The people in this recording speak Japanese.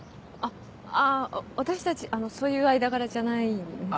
あ私たちそういう間柄じゃないんです。